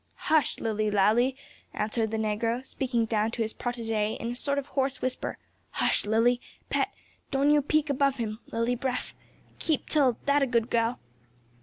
"Hush! Lilly Lally," answered the negro, speaking down to his protege in a sort of hoarse whisper; "hush, Lilly, pet; doan you 'peak above him Lilly Breff. Keep 'till, dat a good gal."